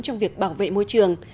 trong việc bảo vệ môi trường